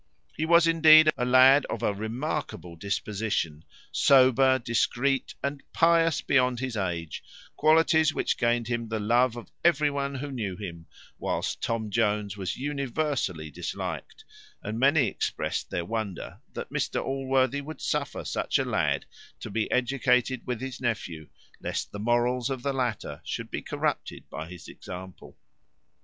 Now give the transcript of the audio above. He was, indeed, a lad of a remarkable disposition; sober, discreet, and pious beyond his age; qualities which gained him the love of every one who knew him: while Tom Jones was universally disliked; and many expressed their wonder that Mr Allworthy would suffer such a lad to be educated with his nephew, lest the morals of the latter should be corrupted by his example.